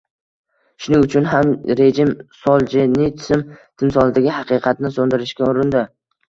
Shuning uchun ham rejim, Soljenitsin timsolidagi haqiqatni so‘ndirishga urindi.